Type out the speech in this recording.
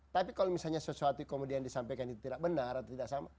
tapi kalau misalnya sesuatu kemudian disampaikan itu tidak benar atau tidak sama